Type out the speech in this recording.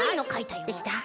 できた。